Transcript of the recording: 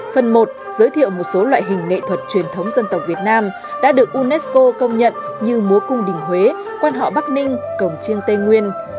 phần một giới thiệu một số loại hình nghệ thuật truyền thống dân tộc việt nam đã được unesco công nhận như múa cung đình huế quan họ bắc ninh cổng chiêng tây nguyên